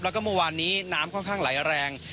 แล้วก็เมื่อวานนี้น้ำค่อนข้างไหลแรง